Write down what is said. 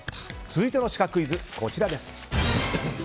続いてのシカクイズです。